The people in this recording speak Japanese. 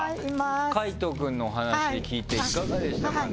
海人くんのお話聞いていかがでしたかね？